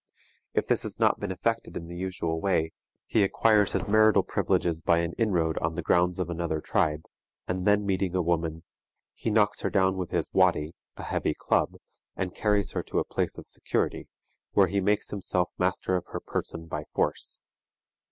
If this has not been effected in the usual way, he acquires his marital privileges by an inroad on the grounds of another tribe, and then meeting a woman, he knocks her down with his waddy (a heavy club), and carries her to a place of security, where he makes himself master of her person by force.